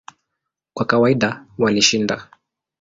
Kwa kawaida walishinda.